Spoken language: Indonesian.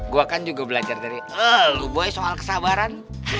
gue kan juga belajar dari lu boy soal kesabaran